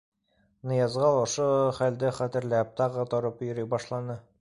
Ныязғол ошо хәлде хәтерләп, тағы тороп йөрөй башланы.